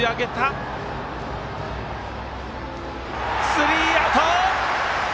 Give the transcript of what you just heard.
スリーアウト！